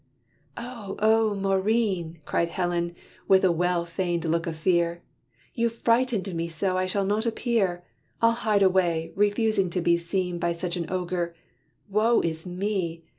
"Oh, oh! Maurine," Cried Helen with a well feigned look of fear, "You've frightened me so I shall not appear: I'll hide away, refusing to be seen By such an ogre. Woe is me!